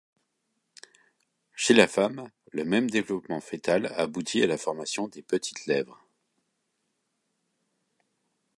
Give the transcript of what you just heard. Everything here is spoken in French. Chez la femme, le même développement fœtal aboutit à la formation des petites lèvres.